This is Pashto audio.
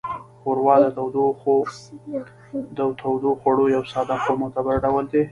ښوروا د تودوخوړو یو ساده خو معتبر ډول دی.